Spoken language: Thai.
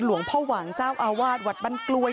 หลวงพ่อหวังเจ้าอาวาสวัดบ้านกล้วย